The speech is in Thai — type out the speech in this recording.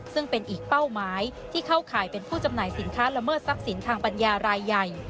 ซึ่งเป็นอีกเป้าหมายที่เข้าข่ายเป็นผู้จำหน่ายสินค้าละเมิดทรัพย์สินทางปัญญารายใหญ่